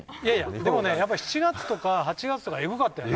でもね７月とか８月とかえぐかったよな。